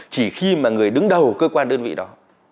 chỉ khi mà người đứng đầu cơ quan đơn vị đó